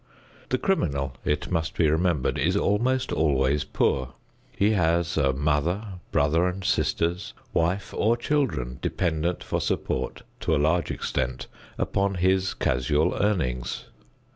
The criminal, it must be remembered, is almost always poor. He has a mother, brothers and sisters, wife or children, dependent for support to a large extent, upon his casual earnings.